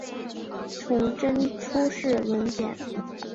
崇祯初谥文简。